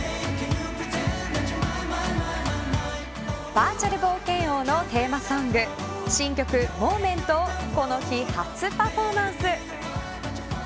バーチャル冒険王のテーマソング新曲Ｍｏｍｅｎｔをこの日、初パフォーマンス。